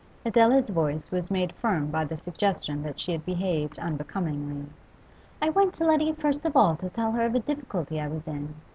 Adela's voice was made firm by the suggestion that she had behaved unbecomingly. 'I went to Letty first of all to tell her of a difficulty I was in.